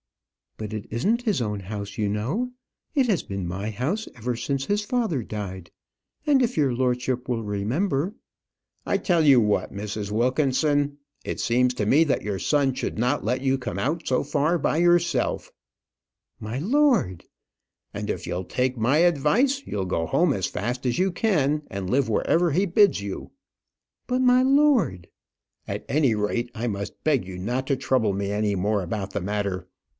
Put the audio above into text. "But it isn't his own house, you know. It has been my house ever since his father died. And if your lordship will remember " "I tell you what, Mrs. Wilkinson; it seems to me that your son should not let you come out so far by yourself " "My lord!" "And if you'll take my advice, you'll go home as fast as you can, and live wherever he bids you." "But, my lord " "At any rate, I must beg you not to trouble me any more about the matter.